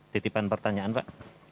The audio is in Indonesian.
titipan pertanyaan pak